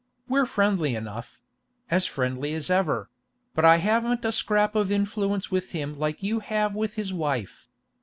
We're friendly enough—as friendly as ever—but I haven't a scrap of influence with him like you have with his wife.